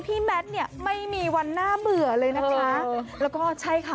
แมทเนี่ยไม่มีวันน่าเบื่อเลยนะคะแล้วก็ใช่ค่ะ